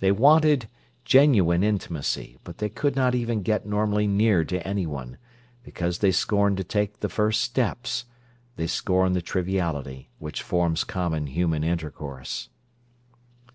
They wanted genuine intimacy, but they could not get even normally near to anyone, because they scorned to take the first steps, they scorned the triviality which forms common human intercourse.